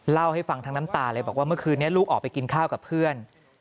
เล่าให้ฟังทั้งน้ำตาเลยบอกว่าเมื่อคืนนี้ลูกออกไปกินข้าวกับเพื่อน